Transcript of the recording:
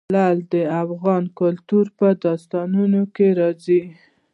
لعل د افغان کلتور په داستانونو کې راځي.